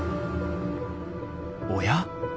おや？